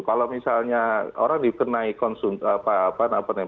kalau misalnya orang dikenai konsumsi apa apa namanya